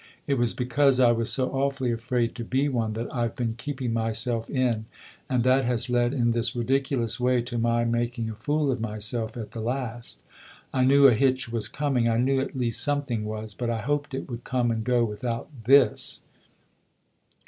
It was because I was so awfully afraid to be one that I've been keeping myself in and that has led, in this ridiculous way, to my making a fool of myself at the last. 1 knew a hitch was coming I knew at least something was ; but I hoped it would come and go without this!"